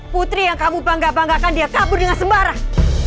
putri yang kamu bangga banggakan dia kabur dengan sembarang